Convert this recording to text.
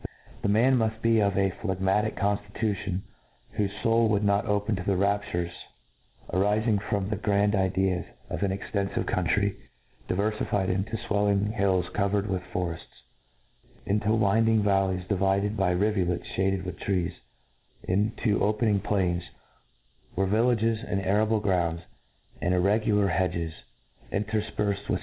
The man muft be of a phlegmatic conftitution whofe foul would not open to the raptures^ arifing from the, grand ideas of an extenfivc country, diverfiffed into fwellmg hills covered with forefls ; into winding vallics divided by rivulets fhaded i;Wth trees j in to opening plains, where villages and arable grounds, and irregular hedges, intcrfperfed with K flandardsy 74 I iSr T R O D U C T I N.